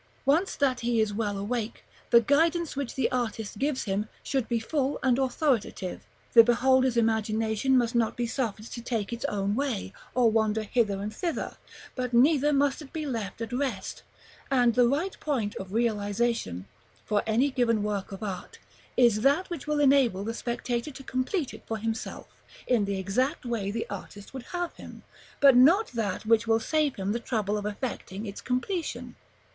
Once that he is well awake, the guidance which the artist gives him should be full and authoritative: the beholder's imagination must not be suffered to take its own way, or wander hither and thither; but neither must it be left at rest; and the right point of realization, for any given work of art, is that which will enable the spectator to complete it for himself, in the exact way the artist would have him, but not that which will save him the trouble of effecting the completion.